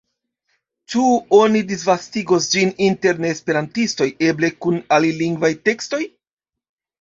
Ĉu oni disvastigos ĝin inter neesperantistoj, eble kun alilingvaj tekstoj?